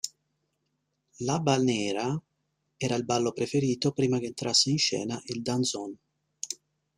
L'habanera era il ballo preferito prima che entrasse in scena il danzón.